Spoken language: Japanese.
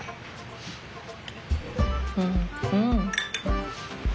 うんうん！